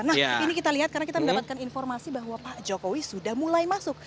nah ini kita lihat karena kita mendapatkan informasi bahwa pak jokowi sudah mulai masuk